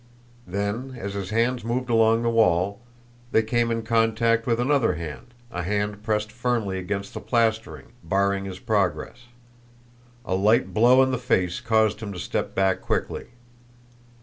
Then, as his hands moved along the wall, they came in contact with another hand a hand pressed firmly against the plastering, barring his progress. A light blow in the face caused him to step back quickly.